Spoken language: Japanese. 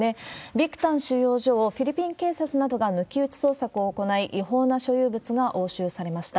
ビクタン収容所をフィリピン警察などが抜き打ち捜索を行い、違法な所有物が押収されました。